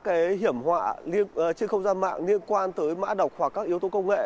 cái hiểm họa trên không gian mạng liên quan tới mã đọc hoặc các yếu tố công nghệ